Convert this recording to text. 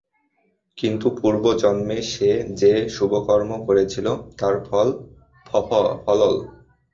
কিন্তু পূর্ব জন্মে সে যে শুভকর্ম করেছিল, তার ফল ফলল।